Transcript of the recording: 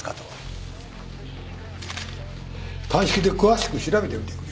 鑑識で詳しく調べておいてくれ。